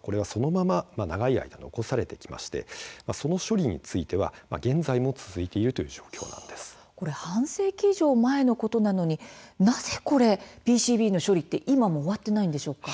これはそのまま長い間残されてきましてその処理については現在も続いているという半世紀以上前のことなのになぜＰＣＢの処理って今も終わっていないのでしょうか。